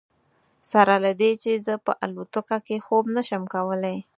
سره له دې چې زه په الوتکه کې خوب نه شم کولی.